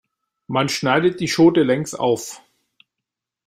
Man schneidet die Schote längs auf.